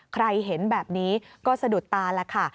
ใครเห็นแบบนี้ก็สะดุดตาแล้วค่ะ